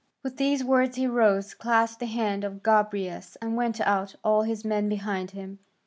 With these words he rose, clasped the hand of Gobryas, and went out, all his men behind him.